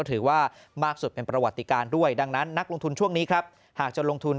ถือว่ามากสุดเป็นประวัติการด้วยดังนั้นนักลงทุนช่วงนี้ครับหากจะลงทุน